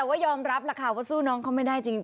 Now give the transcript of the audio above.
แต่ว่ายอมรับล่ะค่ะว่าสู้น้องเขาไม่ได้จริง